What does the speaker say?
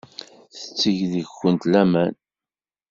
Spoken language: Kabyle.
Tetteg deg-went laman.